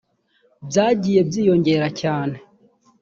byagiye byiyongera cyane